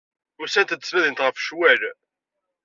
Usant-d, ttnadint ɣef ccwal.